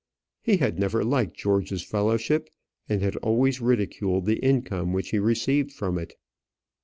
He had never liked George's fellowship, and had always ridiculed the income which he received from it.